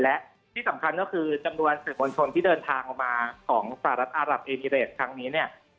และที่สำคัญก็คือจำนวนส่วนคนที่เดินทางออกมาของสหรัฐอัตราปอีนิเรสครั้งนี้เนี่ย